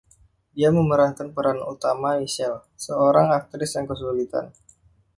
Dia memerankan peran utama Michelle, seorang aktris yang kesulitan.